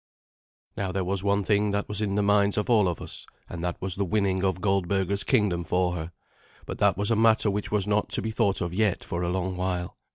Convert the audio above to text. Now there was one thing that was in the minds of all of us, and that was the winning of Goldberga's kingdom for her; but that was a matter which was not to be thought of yet for a long while.